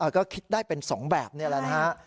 ก็คิดได้เป็น๒แบบนี้แหละนะฮะ